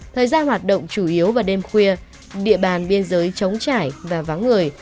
thời gian hoạt động chủ yếu vào đêm khuya địa bàn biên giới chống trải và vắng người